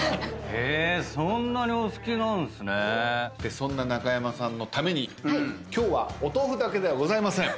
そんな中山さんのために今日はお豆腐だけではございません。